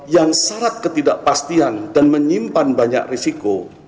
yang syarat ketidakpastian dan menyimpan banyak risiko